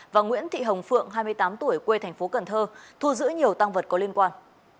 và nguyễn thị hồng phượng hai mươi tám tuổi quê thành phố cần thơ thu giữ nhiều tăng vật có liên quan